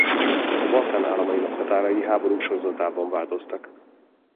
A Balkán államainak határai háborúk sorozatában változtak.